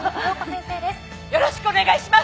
よろしくお願いします！